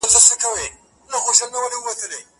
ما په دې عامــــو مؽينانو کې دې مه شماروه